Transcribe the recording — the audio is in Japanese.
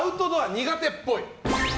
苦手っぽい。